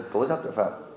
tối giáp tội phạm